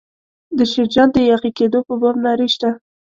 د شیرجان د یاغي کېدو په باب نارې شته.